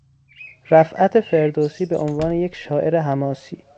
رفعت فردوسی به عنوان یک شاعر حماسی